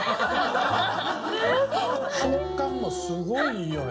食感もすごいいいよね。